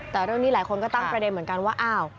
แต่เรื่องนี้หลายคนก็ตั้งประเด็นเหมือนกันว่าอ้าว